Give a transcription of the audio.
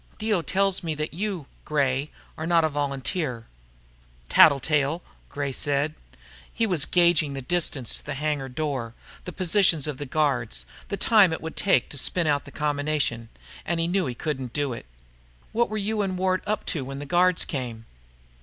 "Dio tells me that you, Gray, are not a volunteer." "Tattletale," said Gray. He was gauging the distance to the hangar door, the positions of the guards, the time it would take to spin out the combination. And he knew he couldn't do it. "What were you and Ward up to when the guards came?"